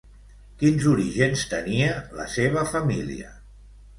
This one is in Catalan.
Quins orígens tenia la seva família?